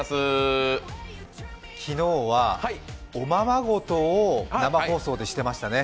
昨日は、おままごとを生放送でしていましたね。